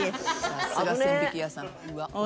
さすが千疋屋さん。